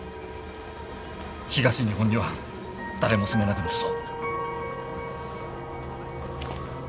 東日本には誰も住めなくなるぞ。